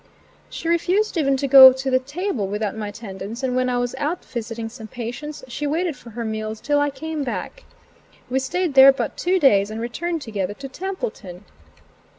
She refused even to go to the table without my attendance, and when I was out visiting some patients, she waited for her meals till I came back. We stayed there but two days and returned together to Templeton.